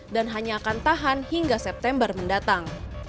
dan hanya akan tahan hingga september mendatang